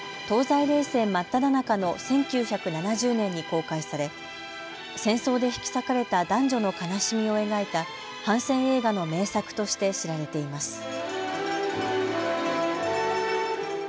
東西冷戦真っただ中の１９７０年に公開され戦争で引き裂かれた男女の悲しみを描いた反戦映画の名作として知られています。